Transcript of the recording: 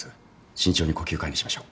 慎重に呼吸管理しましょう。